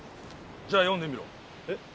じゃあ読んでみろ。え？